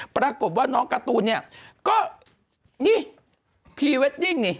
ปรากฏว่าน้องการ์ตูนเนี่ยก็นี่พรีเวดดิ้งนี่